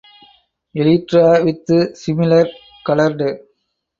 Elytra with similar coloured.